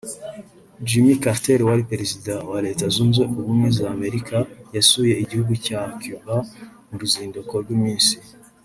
Jimmy Carter wari perezida wa Leta zunze ubumweza Amerika yasuye igihugu cya Cuba mu ruzinduko rw’iminsi